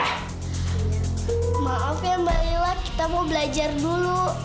lihat nih mbak lila kita mau belajar dulu